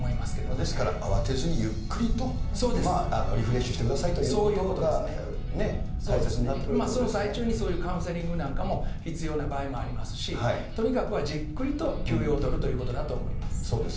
ですから慌てずにゆっくりとリフレッシュしてくださいということがその最中にカウンセリングなんかも必要な場合もありますし、とにかくはじっくりと休養を取るということだと思います。